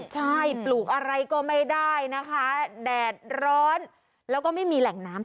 ใช่ปลูกอะไรก็ไม่ได้นะคะแดดร้อนแล้วก็ไม่มีแหล่งน้ำ